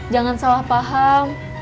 jangan salah paham